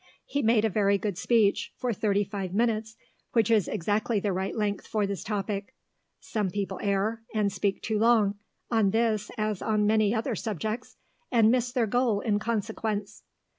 He made a very good speech, for thirty five minutes, which is exactly the right length for this topic. (Some people err, and speak too long, on this as on many other subjects, and miss their goal in consequence.)